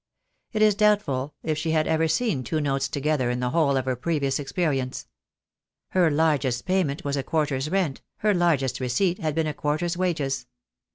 It is doubtful if she had ever seen two notes together in the whole of her previous ex perience. Her largest payment was a quarter's rent, her largest receipt had been a quarter's wages.